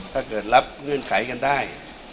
ถ้าเกิดรับเงื่อนไขกันได้